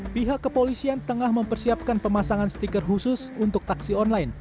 pihak kepolisian tengah mempersiapkan pemasangan stiker khusus untuk taksi online